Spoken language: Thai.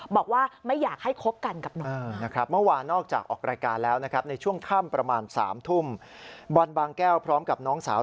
บอกว่าไม่อยากให้คบกันกับน้องนะครับ